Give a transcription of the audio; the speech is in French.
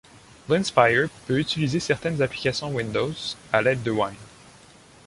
Linspire peut utiliser certaines applications Windows, à l'aide de Wine.